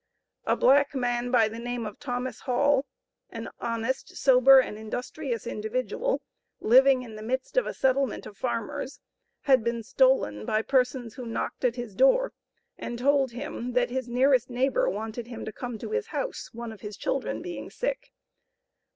A black man, by the name of Thomas Hall, an honest, sober, and industrious individual, living in the midst of a settlement of farmers, had been stolen by persons who knocked at his door, and told him that his nearest neighbor wanted him to come to his house, one of his children being sick.